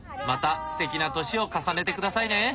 またすてきな年を重ねてくださいね。